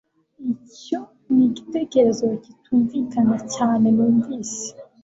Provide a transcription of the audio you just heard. Icyo ni igitekerezo kitumvikana cyane numvise